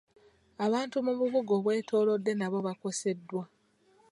Abantu mu bubuga obutwetoolodde nabo bakoseddwa.